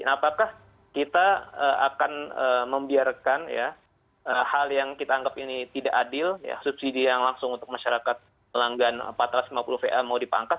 nah apakah kita akan membiarkan ya hal yang kita anggap ini tidak adil subsidi yang langsung untuk masyarakat pelanggan empat ratus lima puluh va mau dipangkas